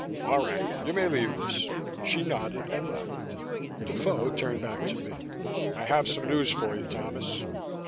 "All right. You may leave this." She nodded and left. Defoe turned back to me. "I have some news for you, Thomas.